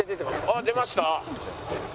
あっ出ました？